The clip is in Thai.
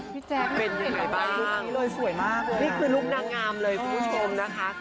พี่แจ๊คเป็นอย่างไรบ้างนี่คือลูกนางงามเลยคุณผู้ชมนะคะ